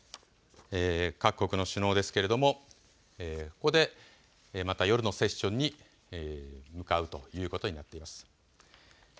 各国の首脳ですけれどもここでまた夜のセッションに向かうということになっています。